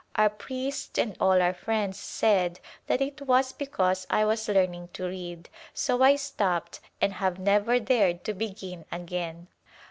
Our priest and all our friends said that it was because I was learn ing to read, so I stopped and have never dared to be gin again."